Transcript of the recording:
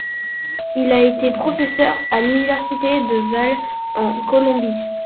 Il a été professeur à l'université de Valle en Colombie.